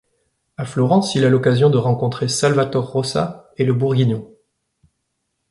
A Florence il a l'occasion de rencontrer Salvator Rosa et le Bourguignon.